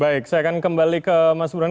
baik saya akan kembali ke mas burhan